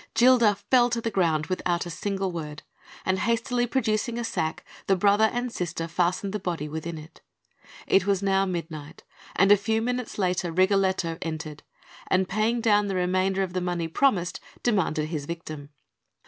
Gilda fell to the ground without a single word; and hastily producing a sack, the brother and sister fastened the body within it. It was now midnight; and a few minutes later, Rigoletto entered, and paying down the remainder of the money promised, demanded his victim.